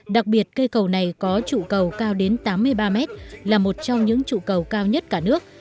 đặc biệt cây cầu này có trụ cầu cao đến tám mươi ba mét là một trong những trụ cầu cao nhất cả nước